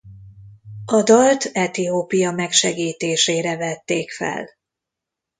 A dalt Etiópia megsegítésére vették fel.